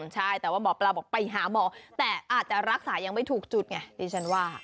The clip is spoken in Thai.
ใช่แต่ว่าหมอปลาบอกไปหาหมอแต่อาจจะรักษายังไม่ถูกจุดไงดิฉันว่า